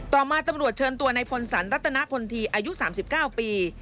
ต่อมาตำรวจเชิญตัวในพลสันรัตนพลทีอายุ๓๙ปี